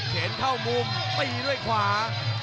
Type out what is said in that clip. เห็นเข้ามุมตีด้วยขวา